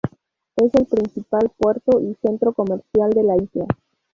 Es el principal puerto y centro comercial de la isla.